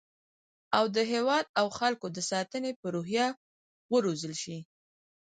او د هیواد او خلکو د ساتنې په روحیه وروزل شي